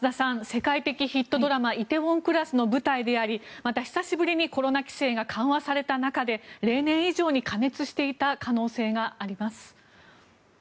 世界的ヒットドラマ「梨泰院クラス」の舞台でありまた、久しぶりにコロナ規制が緩和された中で例年以上に過熱していた可能性があります。